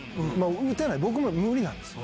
打てない、僕も無理なんです。